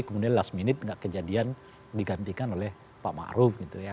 kemudian last minute gak kejadian digantikan oleh pak maruf gitu ya